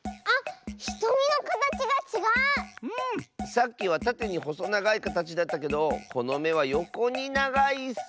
さっきはたてにほそながいかたちだったけどこのめはよこにながいッス！